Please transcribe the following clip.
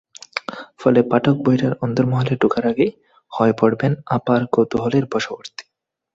ফলে পাঠক বইটার অন্দরমহলে ঢোকার আগেই হয়ে পড়বেন অপার কৌতূহলের বশবর্তী।